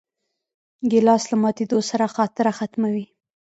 ګیلاس له ماتېدو سره خاطره ختموي.